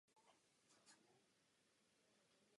Výstavbu pro stát kontrolovala firma Deloitte.